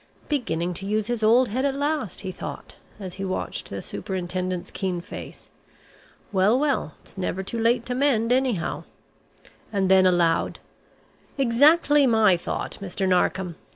"Beginning to use his old head at last!" he thought as he watched the Superintendent's keen face. "Well, well, it's never too late to mend, anyhow." And then aloud, "Exactly my thought, Mr. Narkom.